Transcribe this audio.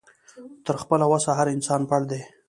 تر خپله وسه هر انسان پړ دی